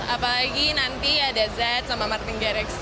apalagi nanti ada zed sama martin garrix